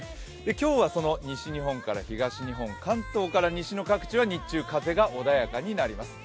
今日はその西日本から東日本、関東からの各地は日中、風が穏やかになります。